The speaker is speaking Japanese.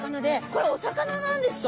これお魚なんですか？